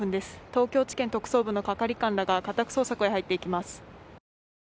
東京地検特捜部の係官らが家宅捜索に入っていきます。